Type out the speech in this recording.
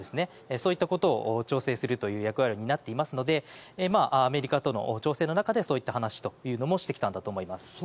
そういうことを調整する役割を担っていますのでアメリカとの調整の中でそういった話をしてきたんだと思います。